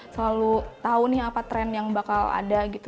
selalu tahu nih apa tren yang bakal ada gitu